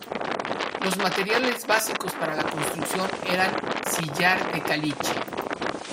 Los materiales básicos para la construcción eran sillar de caliche.